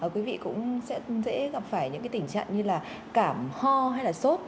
quý vị cũng sẽ gặp phải những tình trạng như là cảm ho hay là sốt